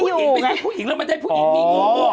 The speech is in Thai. พี่หนุ่มเป็นผู้หญิงแล้วไม่ใช่ผู้หญิงมีงู